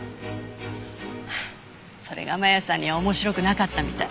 それが真弥さんには面白くなかったみたい。